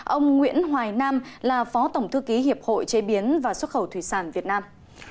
ông nguyễn hoài nam là phó tổng thư ký hiệp hội chế biến và xuất khẩu thủy sản việt nam